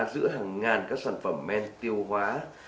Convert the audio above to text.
giữa hàng ngàn các sản phẩm men tiêu hóa